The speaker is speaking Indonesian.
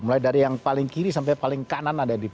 mulai dari yang paling kiri sampai paling kanan ada di